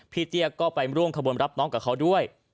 เตี้ยก็ไปร่วมขบวนรับน้องกับเขาด้วย